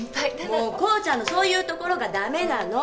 もう功ちゃんのそういうところが駄目なの。